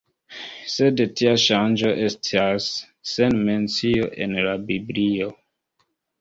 Sed tia ŝanĝo estas sen mencio en la Biblio.